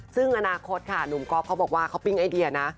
ซึ่งอนาคตค่ะหนุ่มก๊อฟเขาบอกว่าเขาปิ้งไอเดียนะ